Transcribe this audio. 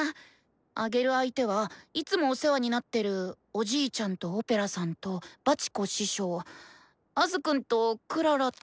あげる相手はいつもお世話になってるおじいちゃんとオペラさんとバチコ師匠アズくんとクララと。